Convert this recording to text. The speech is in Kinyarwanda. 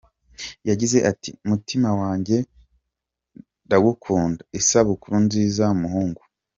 Yagize ati “Mutima wanjye ndagukunda, isabukuru nziza muhungu”.